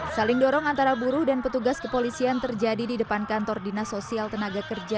saling dorong antara buruh dan petugas kepolisian terjadi di depan kantor dinas sosial tenaga kerja